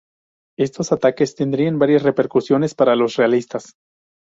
Estos ataques tendrían varias repercusiones para los realistas.